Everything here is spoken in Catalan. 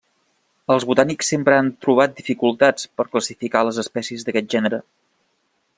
Els botànics sempre han trobat dificultats per classificar les espècies d'aquest gènere.